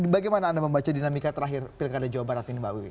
bagaimana anda membaca dinamika terakhir pilkada jawa barat ini mbak wiwi